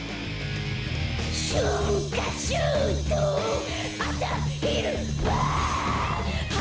「しゅんかしゅうとう」「あさひるＢＡＡＡＡＮ」